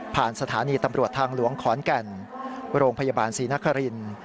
สถานีตำรวจทางหลวงขอนแก่นโรงพยาบาลศรีนครินทร์